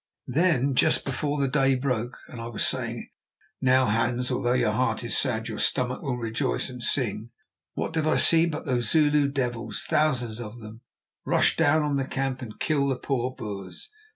"Then just before the day broke and I was saying, 'Now, Hans, although your heart is sad, your stomach will rejoice and sing,' what did I see but those Zulu devils, thousands of them, rush down on the camp and kill all the poor Boers.